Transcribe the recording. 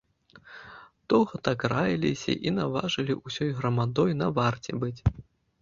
Доўга так раіліся і наважылі ўсёй грамадой на варце быць.